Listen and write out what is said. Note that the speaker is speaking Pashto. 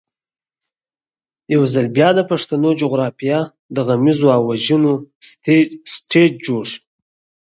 یو ځل بیا د پښتنو جغرافیه د غمیزو او وژنو سټېج جوړ شو.